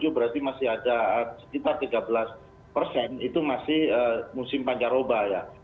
delapan puluh tujuh tujuh berarti masih ada sekitar tiga belas persen itu masih musim pancar oba ya